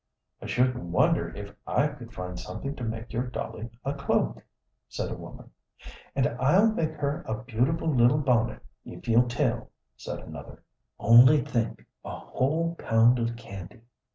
"I shouldn't wonder if I could find something to make your dolly a cloak," said a woman. "And I'll make her a beautiful little bonnet, if you'll tell," said another. "Only think, a whole pound of candy!"